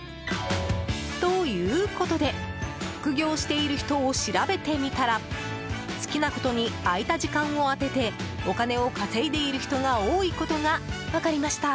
ということで副業している人を調べてみたら好きなことに空いた時間を充ててお金を稼いでいる人が多いことが分かりました。